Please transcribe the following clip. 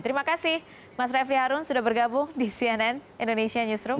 terima kasih mas refli harun sudah bergabung di cnn indonesia newsroom